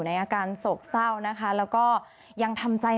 แม่ก็บอกตอนที่น้องยังอยู่ป่าห้า